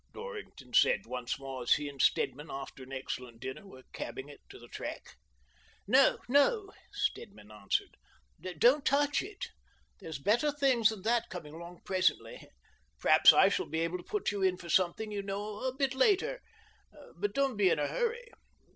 Dorrington said once more as he and Stedman, after an excellent dinner, were cabbing it to the track. "No, no," Stedman answered, "don't touch it i There's better things than that coming along presently. Perhaps I shall be able to put you in for something, you know, a bit later; but don't be in a hurry.